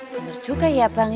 bener juga ya bang